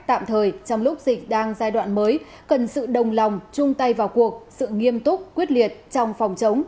tạm thời trong lúc dịch đang giai đoạn mới cần sự đồng lòng chung tay vào cuộc sự nghiêm túc quyết liệt trong phòng chống